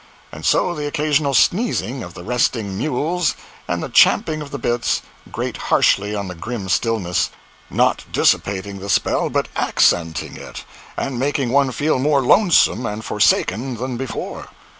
And so the occasional sneezing of the resting mules, and the champing of the bits, grate harshly on the grim stillness, not dissipating the spell but accenting it and making one feel more lonesome and forsaken than before.